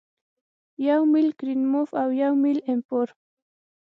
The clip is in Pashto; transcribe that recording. یو میل کرینموف او یو میل ایم پور